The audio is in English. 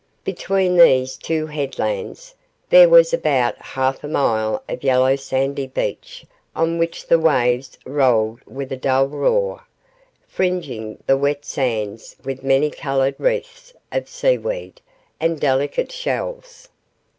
Between these two headlands there was about half a mile of yellow sandy beach on which the waves rolled with a dull roar, fringing the wet sands with many coloured wreaths of sea weed and delicate shells.